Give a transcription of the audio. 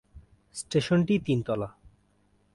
স্টেশনটি তিন তলা।